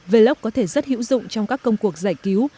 velox có thể rất hữu dụng trong các công cuộc giải cứu